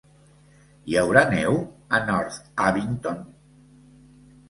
Hi haurà neu a North Abington?